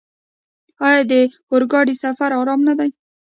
آیا د اورګاډي سفر ارام نه دی؟